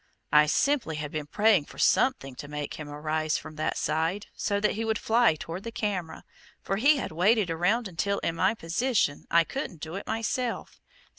I simply had been praying for something to make him arise from that side, so that he would fly toward the camera, for he had waded around until in my position I couldn't do it myself.